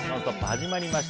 始まりました。